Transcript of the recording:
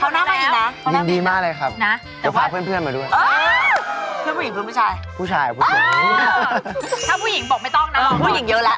ผู้หญิงเยอะแหละบอกว่ารายการนี้ผู้หญิงเยอะแหละ